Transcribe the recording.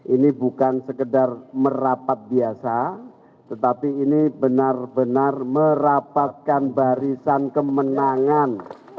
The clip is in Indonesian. ini bukan sekedar merapat biasa tetapi ini benar benar merapatkan barisan kemenangan